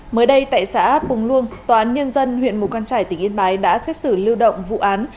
mới đây tại xã bùng luông tòa án nhân dân huyện mù căng trải tỉnh yên bái đã xét xử lưu động vụ án